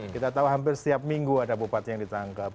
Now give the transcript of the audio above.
kita tahu hampir setiap minggu ada bupati yang ditangkap